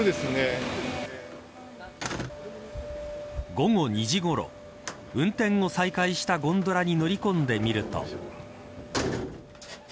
午後２時ごろ運転を再開したゴンドラに乗り込んでみると。